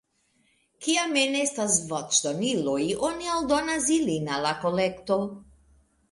Kiam enestas voĉdoniloj, oni aldonas ilin al la kolekto.